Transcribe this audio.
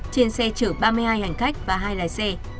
trên xe chở ba mươi hai hành khách và hai lái xe